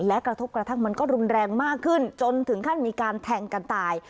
และกระทบกระทั่งมันก็รุนแรงมากขึ้นจนถึงขั้นมีการแทงกันตาย